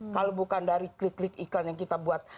kalau bukan dari klik klik iklan yang kita buat